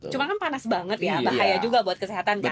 cuma kan panas banget ya bahaya juga buat kesehatan kita